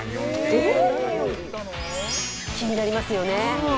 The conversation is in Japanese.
気になりますよね。